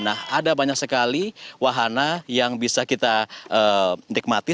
nah ada banyak sekali wahana yang bisa kita nikmati